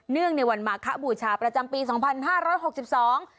งในวันมาคบูชาประจำปีสองพันห้าร้อยหกสิบสอง